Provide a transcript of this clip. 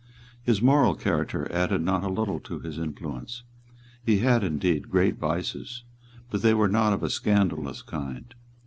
His moral character added not a little to his influence. He had indeed great vices; but they were not of a scandalous kind.